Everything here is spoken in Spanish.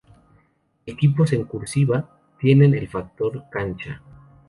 Equipos en "cursiva" tienen el factor cancha.